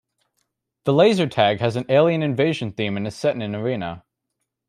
The laser tag has an alien invasion theme and is set in a arena.